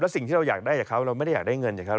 สิ่งที่เราอยากได้จากเขาเราไม่ได้อยากได้เงินจากเขา